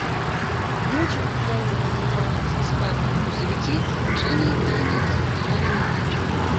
К вечеру, когда уже разъезжались из парка грузовики, Женя и Таня забежали на дачу.